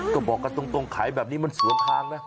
ก็บอกกันตรงขายแบบนี้มันสวนทางนะ